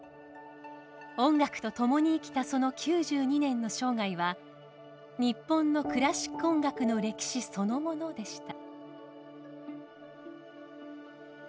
音楽と共に生きたその９２年の生涯は日本のクラシック音楽の歴史そのものでした。